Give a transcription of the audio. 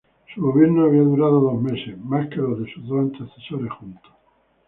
Su gobierno había durado dos meses, más que los de sus dos antecesores juntos.